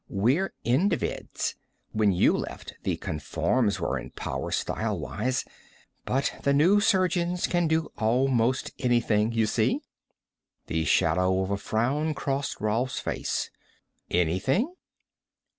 "We're Individs. When you left the Conforms were in power, style wise. But the new surgeons can do almost anything, you see." The shadow of a frown crossed Rolf's face. "Anything?"